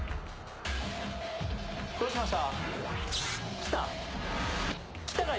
どうしました？